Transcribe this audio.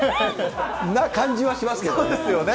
な感じはしますけどね。